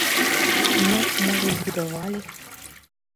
Ну, можа і будавалі.